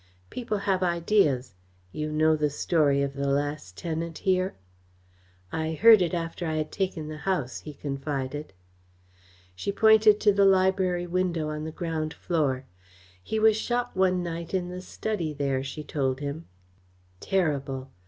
"People have ideas. You know the story of the last tenant here?" "I heard it after I had taken the house," he confided. She pointed to the library window on the ground floor. "He was shot one night in the study there," she told him. "Terrible!